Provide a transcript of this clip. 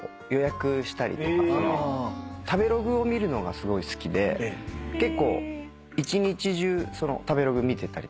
食べログを見るのがすごい好きで結構一日中食べログ見てたりとかしますね。